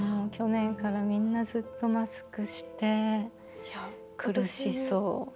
去年からみんなずっとマスクして苦しそう。